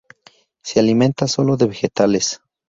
Se alimenta solo de vegetales.